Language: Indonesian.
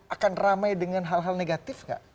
akan ramai dengan hal hal negatif nggak